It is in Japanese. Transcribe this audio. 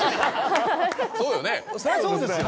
そうよね。